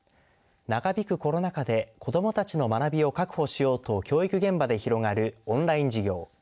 長引くコロナ禍で子どもたちの学びを確保しようと教育現場で広がるオンライン授業。